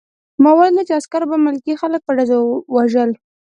ما ولیدل چې عسکرو به ملکي خلک په ډزو وژل